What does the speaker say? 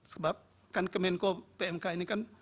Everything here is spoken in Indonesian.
sebab kan kemenko pmk ini kan